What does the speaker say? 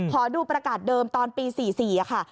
ขอดูประกาศเดิมตอนปี๔๔ค่ะ